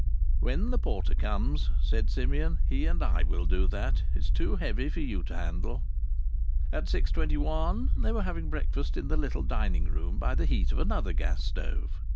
"When the porter comes," said Simeon, "he and I will do that. It's too heavy for you to handle." At six twenty one they were having breakfast in the little dining room, by the heat of another gas stove.